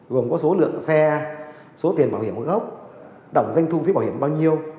gồm có số lượng xe số tiền bảo hiểm gốc đồng doanh thu phí bảo hiểm bao nhiêu